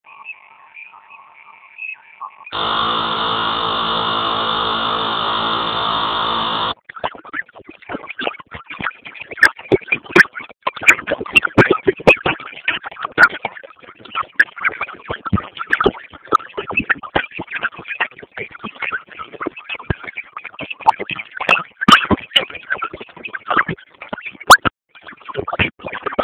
انسټاګرام